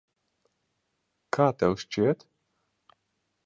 Kā tev šķiet?